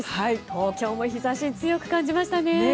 東京も日差しが強く感じましたね。